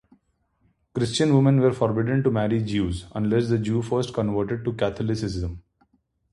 Christian women were forbidden to marry Jews unless the Jew first converted to Catholicism.